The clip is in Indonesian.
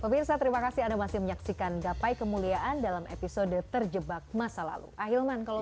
pemirsa terima kasih anda masih menyaksikan gapai kemuliaan dalam episode terjebak masa lalu ahilman kalau